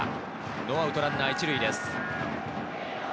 ノーアウトランナー１塁です。